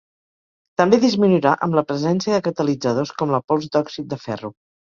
També disminuirà amb la presència de catalitzadors com la pols d'òxid de ferro.